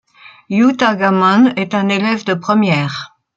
Yuuta Gamon est un élève de première.